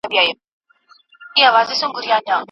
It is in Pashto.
څه ډول باید ځان له بدو خبرونو وساتو؟